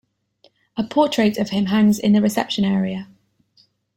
A portrait of him hangs in the reception area.